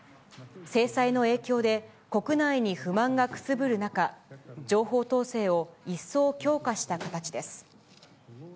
制裁の影響で、国内に不満がくすぶる中、情報統制を一層強化した形です。